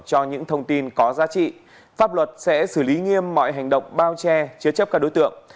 do những thông tin có giá trị pháp luật sẽ xử lý nghiêm mọi hành động bao che chứa chấp các đối tượng